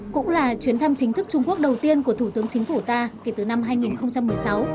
cũng là chuyến thăm chính thức trung quốc đầu tiên của thủ tướng chính phủ ta kể từ năm hai nghìn một mươi sáu